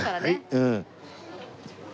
うん。